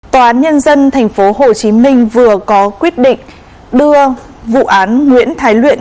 tòa án nhân dân tp hcm vừa có quyết định đưa vụ án nguyễn thái luyện